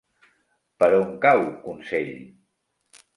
Per on cau Consell?